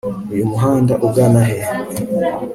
Uyu muhanda ugana he